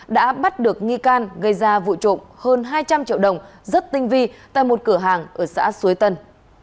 đã bắt được nghi can gây ra vụ trộm hơn hai trăm linh triệu đồng rất tinh vi tại một cửa hàng ở xã suối tân